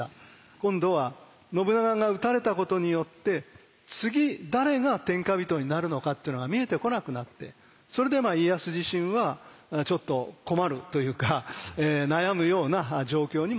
今度は信長が討たれたことによって次誰が天下人になるのかっていうのが見えてこなくなってそれで家康自身はちょっと困るというか悩むような状況にもなりました。